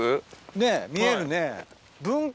ねっ見えるね。